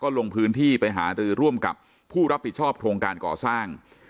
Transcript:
ลงพื้นที่ไปหารือร่วมกับผู้รับผิดชอบโครงการก่อสร้าง